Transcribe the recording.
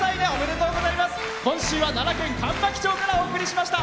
今週は奈良県上牧町からお送りしました。